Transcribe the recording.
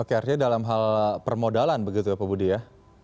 oke artinya dalam hal permodalan begitu ya pak budi ya